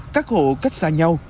các hộ cách xa nhau